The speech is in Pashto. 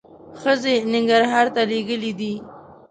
ښځې ننګرهار ته لېږلي دي.